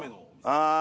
ああ。